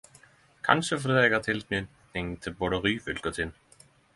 Kanskje fordi eg har tilknyting til både Ryfylke og Tinn.